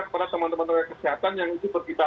kepada teman teman kesehatan yang itu berkita